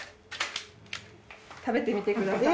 食べてみてください。